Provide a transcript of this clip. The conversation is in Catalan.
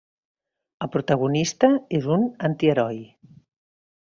El protagonista és un antiheroi.